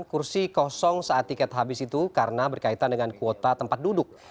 kursi kosong saat tiket habis itu karena berkaitan dengan kuota tempat duduk